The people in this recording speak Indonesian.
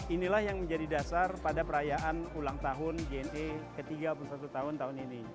inilah yang menjadi dasar pada perayaan ulang tahun jna ke tiga puluh satu tahun tahun ini